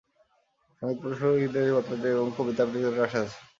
সংগীত পরিবেশন করেন ইন্দ্রানী ভট্টাচার্য এবং কবিতা আবৃত্তি করেন রাশেদ হাসান।